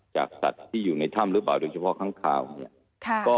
จากสัตว์ที่อยู่ในถ้ำหรือเปล่าโดยเฉพาะข้างคาวเนี่ย